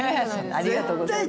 ありがとうございます